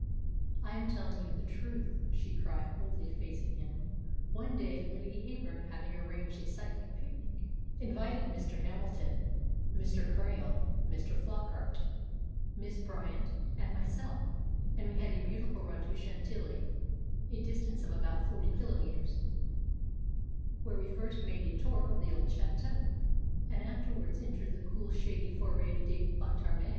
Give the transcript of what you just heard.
"I am telling you the truth," she cried, boldly facing him. One day Lady Heyburn, having arranged a cycling picnic, invited Mr. Hamilton, Mr. Kratil, Mr. Flockart, Miss Bryant, and myself, and we had a beautiful run to Chantilly, a distance of about forty kilometres, where we first made a tour of the old château, and afterwards entered the cool shady Fôret de Pontarmé.